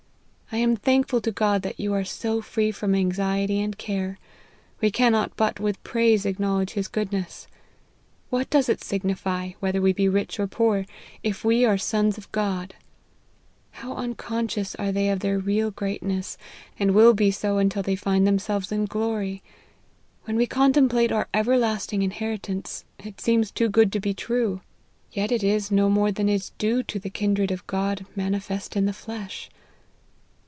I am thankful to God that you are so free from anxiety and care : we cannot but with praise acknowledge his goodness. What does it signify whether we be rich or poor, if we are sons of God ? How unconscious are they of their real greatness, and will be so till they find themselves in glory ! When we contemplate our everlasting inheritance, it seems too good to be true ; yet it is no more LIFE OF HENRY MARTYN. 25 than is due to the kindred of ' God manifest in the flesh.'